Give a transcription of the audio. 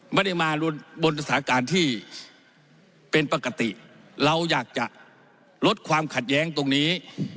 ไม่ได้มาบนสถานการณ์ที่เป็นปกติเราอยากจะลดความขัดแย้งตรงนี้